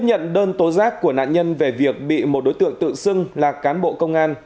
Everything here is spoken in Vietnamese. những tố giác của nạn nhân về việc bị một đối tượng tự xưng là cán bộ công an